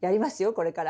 これから。